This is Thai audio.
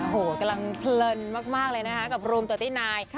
โอ้โหกำลังเพลินมากเลยนะคะกับโรมเตอร์ตี้นาย